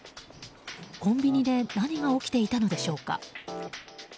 コンビニで何が起きていたのでしょうか。